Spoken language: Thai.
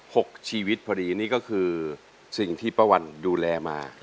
หกชีวิตพอดีนี่ก็คือสิ่งที่ป้าวันดูแลมา